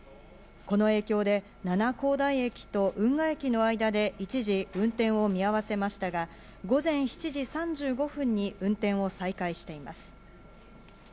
この影響で七光台駅と運河駅の間で一時、運転を見合わせましたが、午前７時３５分に運転を再開しています。